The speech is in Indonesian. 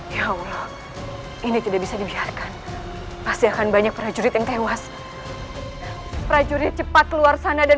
di awal ini tidak bisa dibiarkan pasti akan banyak prajurit yang tewas prajurit cepat keluar sana dan